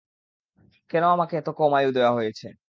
কেন আমাকে এত কম আয়ু দেয়া হয়েছে?